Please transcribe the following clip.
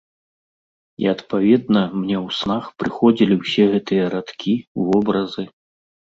І адпаведна, мне ў снах прыходзілі ўсе гэтыя радкі, вобразы.